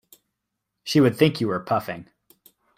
She would think you were puffing.